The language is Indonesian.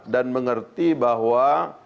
dan mengerti bahwa